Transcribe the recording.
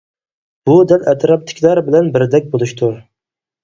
بۇ دەل ئەتراپتىكىلەر بىلەن بىردەك بولۇشتۇر.